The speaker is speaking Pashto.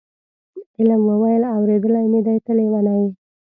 عالم وویل: اورېدلی مې دی ته لېونی یې.